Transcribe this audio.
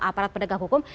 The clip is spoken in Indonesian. aparat pendegah hukum